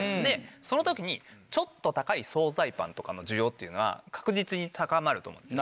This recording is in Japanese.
その時にちょっと高い総菜パンとかの需要っていうのは確実に高まると思うんですよね。